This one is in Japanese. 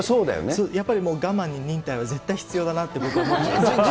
やっぱり我慢に忍耐は絶対に必要だなって僕は思っているので。